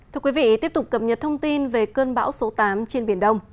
thưa quý vị tiếp tục cập nhật thông tin về cơn bão số tám trên biển đông